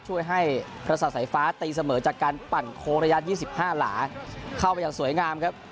ช่วยให้ประสาทสายฟ้าตีเสมอจากการปั่นโค้งระยะ๒๕หลาเข้าไปอย่างสวยงามครับ